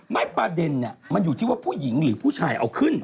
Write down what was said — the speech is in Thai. ประเด็นมันอยู่ที่ว่าผู้หญิงหรือผู้ชายเอาขึ้น